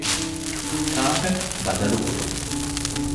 ކާޕެޓް ބަދަލުކުރުން